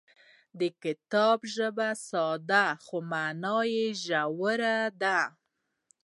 د کتاب ژبه ساده خو مانا یې ژوره ده.